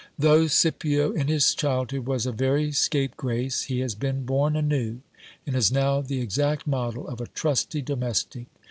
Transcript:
Though Scipio in his childhood was a very scape grace, he has been born anew, and is now the exact model of a trusty domestic.